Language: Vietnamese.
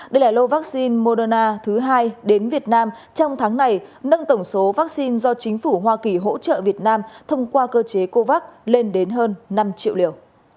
đây là lô vaccine moderna thứ hai đến việt nam trong tháng này nâng tổng số vaccine do chính phủ hoa kỳ hỗ trợ việt nam thông qua cơ chế covax lên đến hơn năm triệu liều